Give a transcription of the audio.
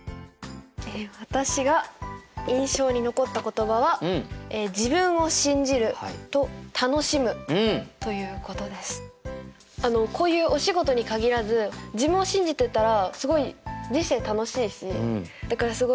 私が印象に残った言葉はこういうお仕事に限らず自分を信じてたらすごい人生楽しいしだからすごい印象に残りましたね。